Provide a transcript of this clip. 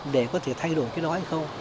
để có thể thay đổi cái đó hay không